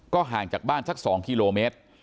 ก็ห่างจากบ้านสัก๒คม